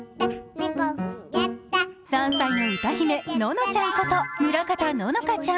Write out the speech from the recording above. ３歳の歌姫、ののちゃんこと村方乃々佳ちゃん。